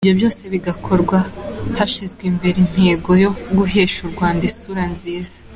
Ibyo byose bigakorwa hashyizwe imbere intego yo guhesha u Rwanda isura nziza.